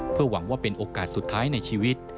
เพื่อหวังว่าเป็นโอกาสสุดท้ายในชีวิต